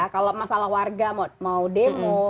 kalau masalah warga mau demo